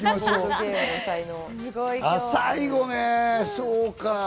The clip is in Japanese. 最後ね、そうか。